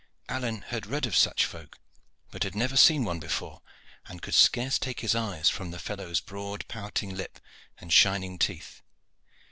Alleyne had read of such folk, but had never seen one before, and could scarce take his eyes from the fellow's broad pouting lip and shining teeth.